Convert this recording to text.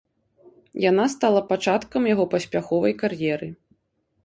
Яна стала пачаткам яго паспяховай кар'еры.